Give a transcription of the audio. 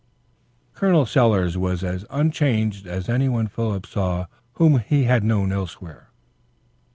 Col. Sellers was as unchanged as any one Philip saw whom he had known elsewhere.